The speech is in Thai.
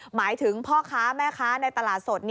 หมายถึงพ่อค้าแม่ค้าในตลาดสด